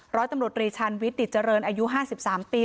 ร้อยตำรวจรีชันวิทย์ดิจริญอายุห้าสิบสามปี